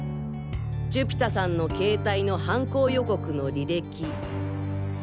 寿飛太さんの携帯の犯行予告の履歴。